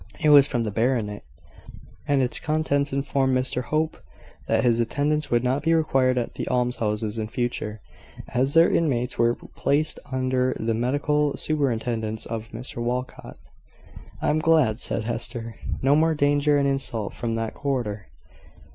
It was from the Baronet, and its contents informed Mr Hope that his attendance would not be required at the almshouses in future, as their inmates were placed under the medical superintendence of Mr Walcot. "I am glad," said Hester. "No more danger and insult from that quarter!"